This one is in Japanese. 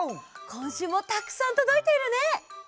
こんしゅうもたくさんとどいているね！